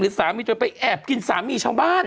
หรือสามีจนไปแอบกินสามีช่องบ้าน